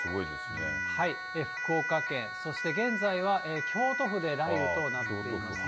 福岡県、そして現在は京都府で雷雨となっていますね。